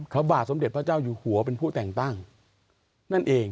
พระบาทสมเด็จพระเจ้าอยู่หัวเป็นผู้แต่งตั้งนั่นเอง